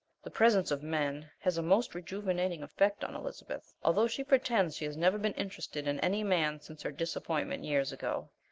The presence of men has a most rejuvenating effect on Aunt Elizabeth, although she pretends she has never been interested in any man since her disappointment years ago.